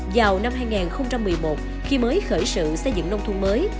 vào năm hai nghìn một mươi một khi mới khởi sự xây dựng nông thôn mới